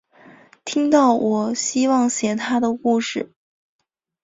听到我希望写她的故事